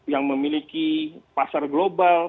yang memiliki pasar global